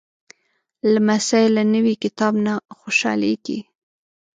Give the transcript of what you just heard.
لمسی له نوي کتاب نه خوشحالېږي.